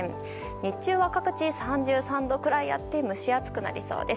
日中は各地３３度くらいあって蒸し暑くなりそうです。